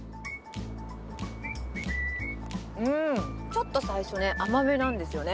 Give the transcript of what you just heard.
うーん、ちょっと最初ね、甘めなんですよね。